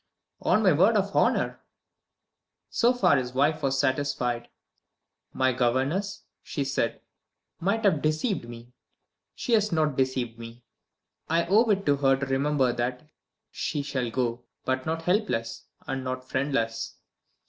"On my word of honor." So far his wife was satisfied. "My governess," she said, "might have deceived me she has not deceived me. I owe it to her to remember that. She shall go, but not helpless and not friendless."